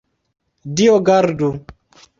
Dio gardu!